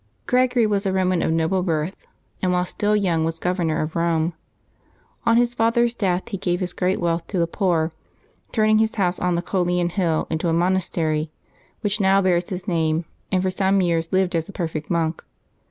/^REGORY was a Eoman of noble birth, and while still v A young was governor of Eome. On his father's death he gave his great wealth to the poor, turned his house on the Coelian Hill into a monastery, which now bears his name, and for some years lived as a perfect monk.